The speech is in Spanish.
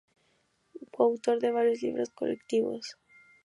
Coautor de varios libros colectivos.